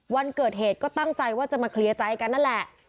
วันเกิดเหตุก็ตั้งใจว่าจะมาเคลียร์ใจกันนั่นแหละ